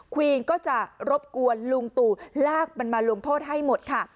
วีนก็จะรบกวนลุงตู่ลากมันมาลงโทษให้หมดค่ะ